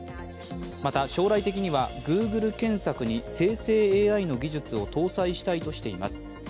また将来的にはＧｏｏｇｌｅ検索に生成ＡＩの技術を搭載したいとしています。